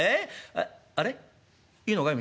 ああれ？いいのかい？